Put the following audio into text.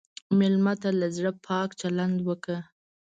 مېلمه ته له زړه پاک چلند وکړه.